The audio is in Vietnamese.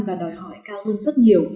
và đòi hỏi cao hơn rất nhiều